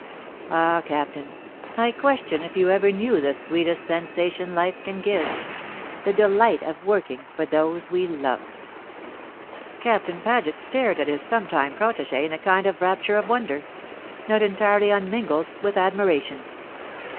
Ah, Captain, I question if you ever knew the sweetest sensation life can give the delight of working for those we love." Captain Paget stared at his sometime protégé in a kind of rapture of wonder, not entirely unmingled with admiration.